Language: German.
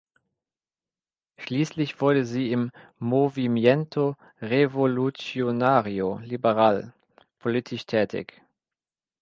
Schließlich wurde sie im Movimiento Revolucionario Liberal politisch tätig.